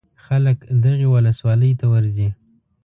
خلک دغې ولسوالۍ ته ورځي.